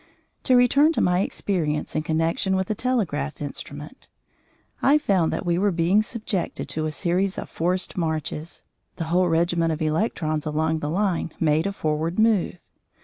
To return to my experience in connection with a telegraph instrument, I found that we were being subjected to a series of forced marches. The whole regiment of electrons along the line made a forward move.